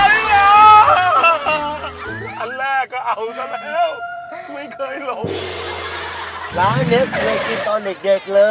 ร้านนี้กินตอนเด็กเลย